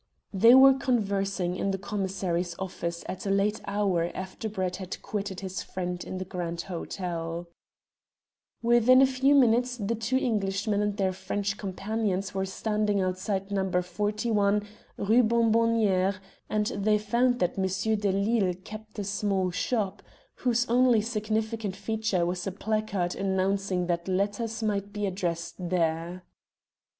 They were conversing in the commissary's office at a late hour after Brett had quitted his friend in the Grand Hotel. [Illustration: Reginald Brett. Page 200.] Within a few minutes the two Englishmen and their French companions were standing outside No. 41, Rue Bonbonnerie, and they found that Monsieur de Lisle kept a small shop, whose only significant feature was a placard announcing that letters might be addressed there.